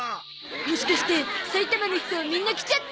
もしかして埼玉の人みんな来ちゃった？